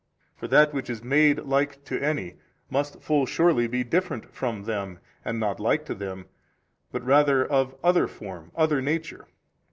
for that which is made like to any, must full surely be different from them and not like to them but rather of other form, other nature.